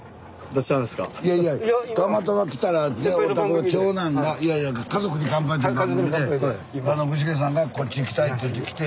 いやいやたまたま来たらお宅の長男がいやいや「家族に乾杯」という番組で具志堅さんがこっち来たいって言って来て